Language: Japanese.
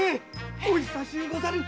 お久しゅうござる。